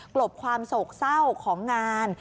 ลบความโศกเศร้าของงาน